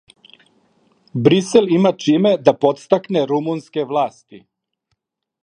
Брисел има чиме да подстакне румунске власти.